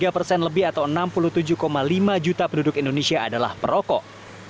tiga persen lebih atau enam puluh tujuh lima juta penduduk indonesia adalah perokok